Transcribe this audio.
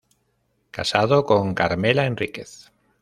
Casado con "Carmela Henríquez".